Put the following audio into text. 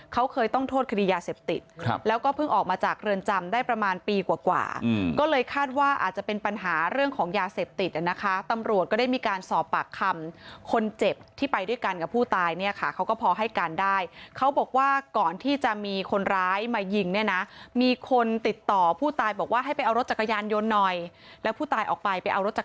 เขาเคยต้องโทษคดียาเสพติดแล้วก็เพิ่งออกมาจากเรือนจำได้ประมาณปีกว่าก็เลยคาดว่าอาจจะเป็นปัญหาเรื่องของยาเสพติดอ่ะนะคะตำรวจก็ได้มีการสอบปากคำคนเจ็บที่ไปด้วยกันกับผู้ตายเนี่ยค่ะเขาก็พอให้การได้เขาบอกว่าก่อนที่จะมีคนร้ายมายิงเนี่ยนะมีคนติดต่อผู้ตายบอกว่าให้ไปเอารถจักรยานยนต์หน่อยแล้วผู้ตายออกไปไปเอารถจักร